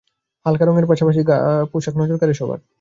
হালকা রঙের পাশাপাশি ডিজাইনারদের তৈরি উজ্জ্বল রঙের পোশাক নজর কাড়ে সবার।